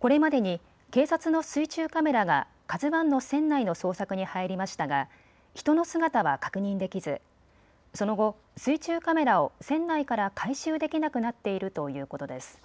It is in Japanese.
これまでに警察の水中カメラがＫＡＺＵＩの船内の捜索に入りましたが人の姿は確認できずその後、水中カメラを船内から回収できなくなっているということです。